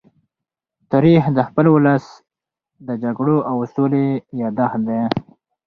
تاریخ د خپل ولس د جګړو او سولې يادښت دی.